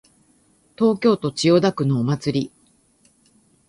東京都千代田区のお祭り